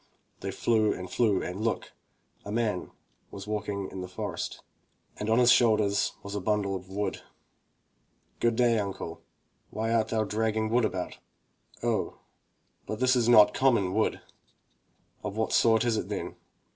They flew and flew and look! — a man v/as walking in the forest, and on his shoulders was a bundle of wood. "Good day, uncle, why art thou dragging wood about?" "Oh, but this is not common wood!" "Of what sort is it, then?"